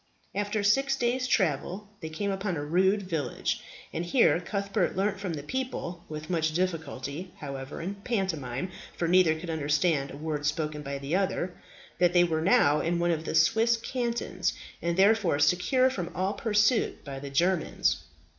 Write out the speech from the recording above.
After six days' travel they came upon a rude village, and here Cuthbert learnt from the people with much difficulty, however, and pantomime, for neither could understand a word spoken by the other that they were now in one of the Swiss cantons, and therefore secure from all pursuit by the Germans.